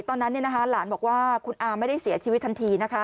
ตอนนั้นหลานบอกว่าคุณอาไม่ได้เสียชีวิตทันทีนะคะ